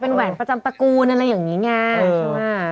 แหวนประจำตระกูลอะไรอย่างนี้ไงใช่ไหม